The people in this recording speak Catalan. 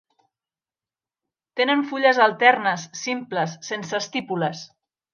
Tenen fulles alternes, simples, sense estípules.